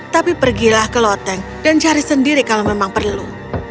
tapi pergilah ke loteng dan cari sendiri kalau memang perlu